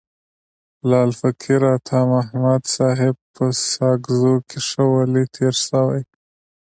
لعل فقیر عطا محمد صاحب په ساکزو کي ښه ولي تیر سوی.